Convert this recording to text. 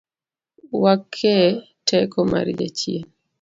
Wake teko mar jachien